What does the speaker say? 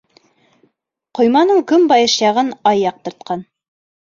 Ҡойманың көнбайыш яғын ай яҡтыртҡан.